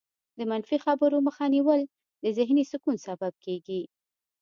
د منفي خبرو مخه نیول د ذهني سکون سبب کېږي.